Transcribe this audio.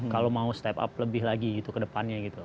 kalau mau step up lebih lagi gitu ke depannya gitu